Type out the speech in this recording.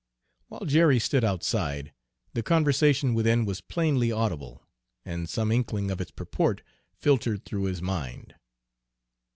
While Jerry stood outside, the conversation within was plainly audible, and some inkling of its purport filtered through his mind.